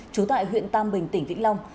trú tại huyện tam bình tỉnh vĩnh long